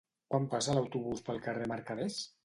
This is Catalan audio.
Quan passa l'autobús pel carrer Mercaders?